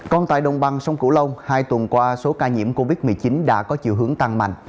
còn tại đồng bằng sông cửu long hai tuần qua số ca nhiễm covid một mươi chín đã có chiều hướng tăng mạnh